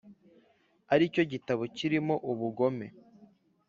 ari cyo gitabo kirimo ubugome .